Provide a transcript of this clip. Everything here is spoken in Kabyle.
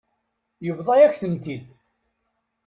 Yebḍa-yak-ten-id.